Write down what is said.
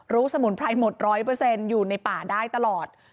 สมุนไพรหมด๑๐๐อยู่ในป่าได้ตลอด